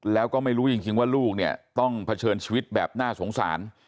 แล้วก็ไม่รู้จริงว่าลูกเนี่ยต้องเผชิญชีวิตแบบน่าสงสาร